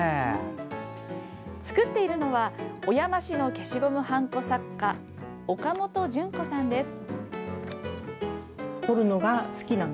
作っているのは小山市の消しゴムはんこ作家岡本順子さんです。